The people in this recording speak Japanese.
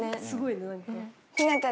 すごいな。